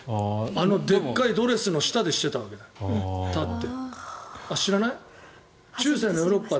あのでっかいドレスの下でしてたわけだよ、立って。